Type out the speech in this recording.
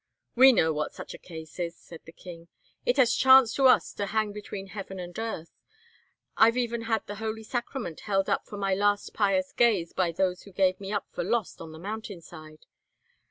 "We know what such a case is!" said the king. "It has chanced to us to hang between heaven and earth; I've even had the Holy Sacrament held up for my last pious gaze by those who gave me up for lost on the mountain side.